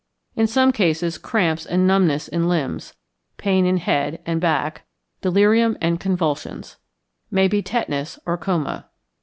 In some cases cramps and numbness in limbs, pain in head and back, delirium and convulsions. May be tetanus or coma.